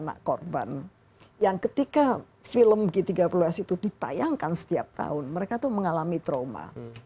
anak korban yang ketika film g tiga puluh s itu ditayangkan setiap tahun mereka tuh mengalami trauma